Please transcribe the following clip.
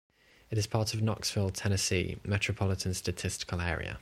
It is part of the Knoxville, Tennessee Metropolitan Statistical Area.